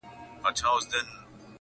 نور په داسي ظالمانو زړه ښه نه کړئ!!